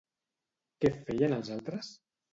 Què feien els altres?